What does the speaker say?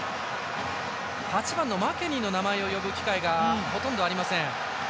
８番のマケニーの名前を呼ぶ機会がほとんどありません。